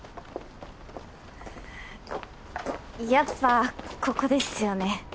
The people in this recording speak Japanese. やっぱここですよね。